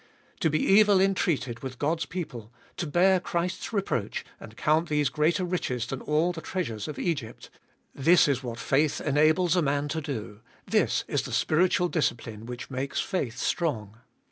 To be evil entreated with God's people, to bear Christ's reproach, and count these greater riches than all the treasures of Egypt, — Hbe ttoltest oT ail 459 this is what faith enables a man to do, this is the spiritual discipline which makes faith strong.